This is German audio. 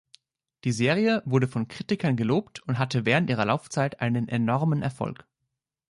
Die Serie wurde von Kritikern gelobt und hatte während ihrer Laufzeit einen enormen Erfolg.